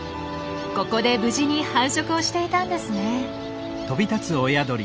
ここで無事に繁殖をしていたんですね。